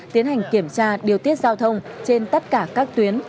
tiến hành kiểm tra điều tiết giao thông trên tất cả các tuyến